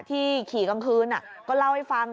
ที่ขี่กลางคืนก็เล่าให้ฟัง